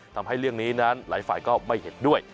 ทำให้เรื่องนี้นั้นหลายฝ่ายก็ไม่เห็นด้วย